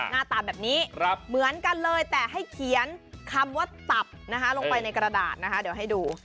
หน้าตาแบบนี้เหมือนกันเลยแต่ให้เขียนคำว่าตับนะคะลงไปในกระดาษนะคะเดี๋ยวให้ดู